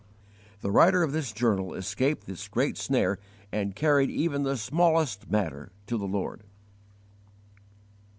The writer of this journal escaped this great snare and carried even the smallest matter to the Lord.